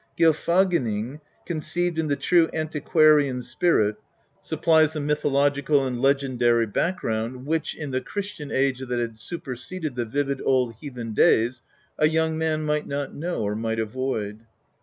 Gylfaginning^ conceived in the true antiquarian spirit, supplies the mythological and le gendary background which, in the Christian age that had superseded the vivid old heathen days, a young man might not know or might avoid.